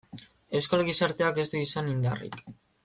Euskal gizarteak ez du izan indarrik.